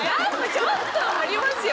ちょっとはありますよ